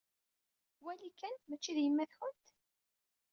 Wali kan! Mačči d yemmat-kent?